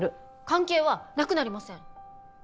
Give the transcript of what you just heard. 関係はなくなりません！